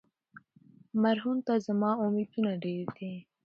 مرهون ته زما امیدونه ډېر دي.